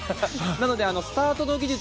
なので、スタートの技術